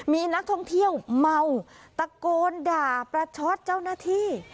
มีนักท่องเที่ยวเมาตะโกนด่าประชดเจ้าหน้าที่